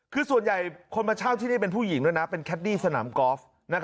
คือส่วนใหญ่คนมาเช่าที่นี่เป็นผู้หญิงด้วยนะเป็นแคดดี้สนามกอล์ฟ